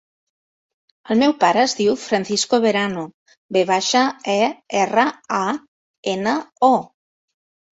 El meu pare es diu Francisco Verano: ve baixa, e, erra, a, ena, o.